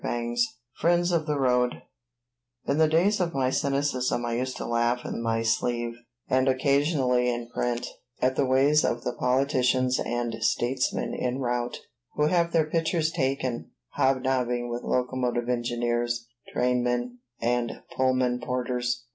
VII FRIENDS OF THE ROAD In the days of my cynicism I used to laugh in my sleeve, and occasionally in print, at the ways of the politicians and statesmen en route, who have their pictures taken hobnobbing with locomotive engineers, trainmen, and Pullman porters.